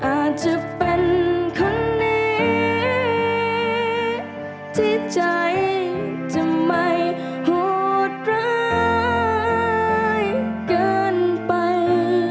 อาจจะเป็นคนนี้ที่ใจจะไม่โหดร้ายเกินไป